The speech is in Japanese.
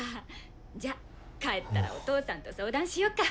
じゃ帰ったらお父さんと相談しようか。